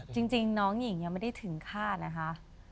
จริงน้องหญิงยังไม่ได้ถึงฆ่านะคะ